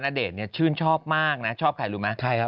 ณเดชน์ชื่นชอบมากนะชอบใครรู้มั้ย